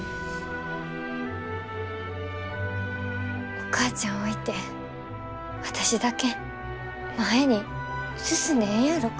お母ちゃん置いて私だけ前に進んでええんやろか。